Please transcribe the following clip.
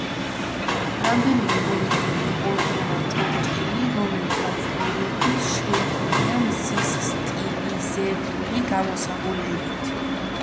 რამდენიმე მოზრდილი ორყურა ჭურჭელი, რომელთა ყურები შემკულია მზის სტილიზებული გამოსახულებით.